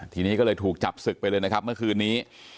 ทีนี้ก็เลยถูกจับศึกไปเลยนะครับเมื่อคืนนี้